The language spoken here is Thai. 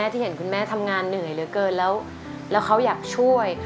ที่เห็นคุณแม่ทำงานเหนื่อยเหลือเกินแล้วเขาอยากช่วย